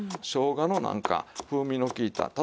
しょうがのなんか風味の利いた。